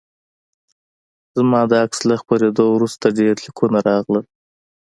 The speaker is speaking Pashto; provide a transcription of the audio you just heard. زما د عکس له خپریدو وروسته ډیر لیکونه راغلل